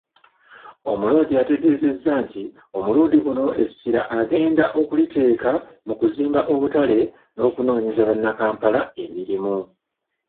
Omuloodi ategeezezza nti omulundi guno essira agenda okuliteeka mu kuzimba obutale n'okunoonyeza bannakampala emirimu.